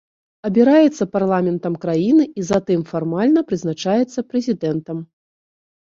Абіраецца парламентам краіны і затым фармальна прызначаецца прэзідэнтам.